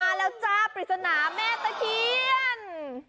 มาแล้วจ้าปริศนาแม่ตะเคียน